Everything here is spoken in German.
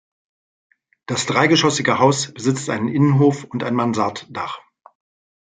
Das dreigeschossige Haus besitzt einen Innenhof und ein Mansarddach.